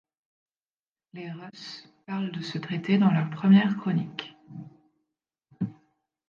Les Rus' parlent de ce traité dans leur Première Chronique.